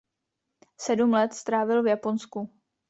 Sedm let strávil v Japonsku.